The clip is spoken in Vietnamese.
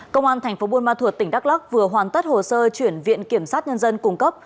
công an tp bunma thuộc tỉnh đắk lắc vừa hoàn tất hồ sơ chuyển viện kiểm sát nhân dân cung cấp